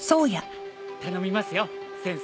頼みますよ先生。